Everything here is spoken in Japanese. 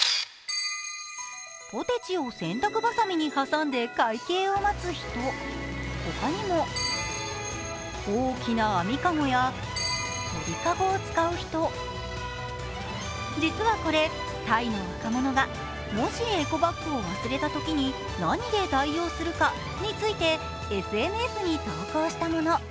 ポテチを洗濯ばさみに挟んで会計を待つ人、ほかにも他にも、大きな網籠や鳥籠を使う人実はこれ、タイの若者がもしエコバッグを忘れたときに何で代用するかについてＳＮＳに投稿したもの。